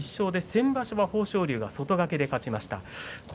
先場所は豊昇龍が外掛けで勝ちました。